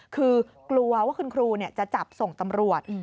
คือกลัวว่าคุณครูจะจับส่งตำรวจ